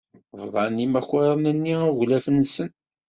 Bḍan yimakaren-nni aglaf-nsen.